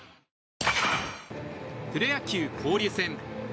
プロ野球交流戦。